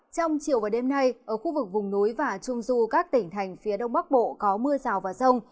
trong chiều và đêm nay ở khu vực vùng núi và trung du các tỉnh thành phía đông bắc bộ có mưa rào và rông